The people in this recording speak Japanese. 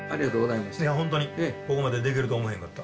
いや本当にここまでできると思えへんかった。